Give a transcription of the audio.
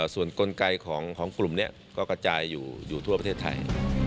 ส่วนกลไกของกลุ่มนี้ก็กระจายอยู่อยู่ทั่วประเทศไทย